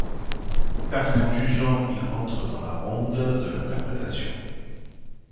parce qu'en jugeant il rentre dans la ronde de l'interprétation.